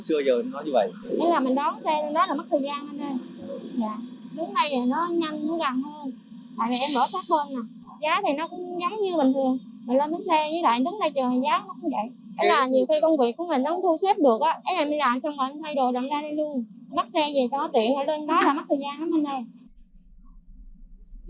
bắt xe về có tiện ở đó là mất thời gian lắm anh ơi